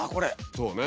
そうね。